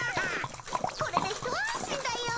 これでひと安心だよ。